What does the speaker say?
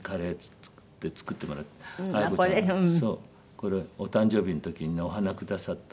これお誕生日の時にねお花くださったの。